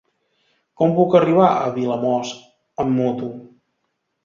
Com puc arribar a Vilamòs amb moto?